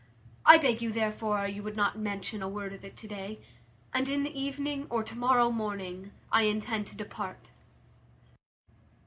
I beg, therefore, you would not mention a word of it to day, and in the evening, or to morrow morning, I intend to depart."